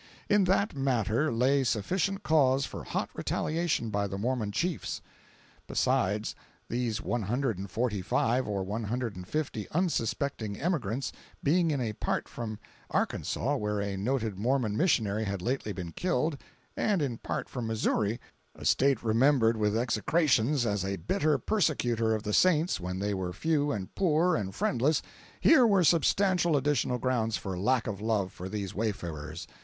In that matter lay sufficient cause for hot retaliation by the Mormon chiefs. Besides, these one hundred and forty five or one hundred and fifty unsuspecting emigrants being in part from Arkansas, where a noted Mormon missionary had lately been killed, and in part from Missouri, a State remembered with execrations as a bitter persecutor of the saints when they were few and poor and friendless, here were substantial additional grounds for lack of love for these wayfarers.